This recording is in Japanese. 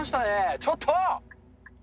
ちょっと！